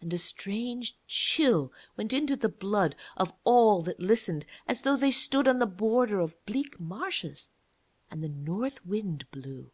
And a strange chill went into the blood of all that listened, as though they stood on the border of bleak marshes and the North Wind blew.